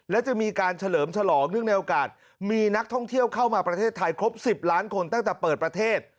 และจะมีการเฉลิมฉลองเนื่องในโอกาสมีนักท่องเที่ยวเข้ามาประเทศไทยครบ๑๐ล้านคนตั้งแต่เปิดประเทศ